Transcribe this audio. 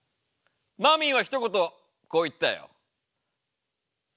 マミーはひと言こう言ったよ。